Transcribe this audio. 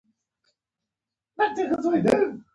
یاقوت د افغان تاریخ په کتابونو کې ذکر شوی دي.